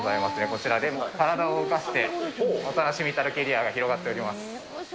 こちら、体を動かしてお楽しみいただけるエリアが広がっております。